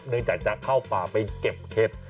เนื่องจากจะเข้าป่าไปเก็บเห็ด